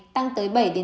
tăng tới bảy tám